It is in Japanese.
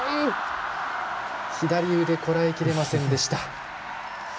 左腕、こらえきれませんでした。